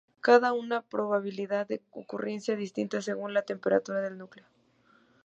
Cada una con una probabilidad de ocurrencia distinta según la temperatura del núcleo.